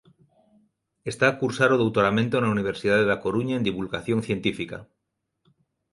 Está a cursar o doutoramento na Universidade da Coruña en divulgación científica.